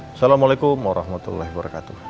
assalamualaikum wa rahmatullah wabarakatuh